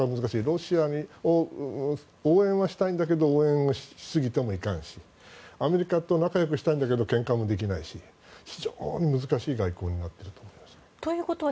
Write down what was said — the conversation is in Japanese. ロシアを応援はしたいんだけど応援しすぎてもいかんしアメリカと仲よくしたいんだけどけんかもできないし非常に難しい外交になっていると思います。